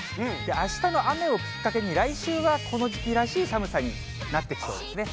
あしたの雨をきっかけに、来週はこの時期らしい寒さになってきそうですね。